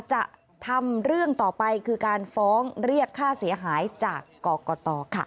จะทำเรื่องต่อไปคือการฟ้องเรียกค่าเสียหายจากกรกตค่ะ